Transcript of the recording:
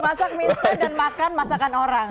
masak mie instan dan makan masakan orang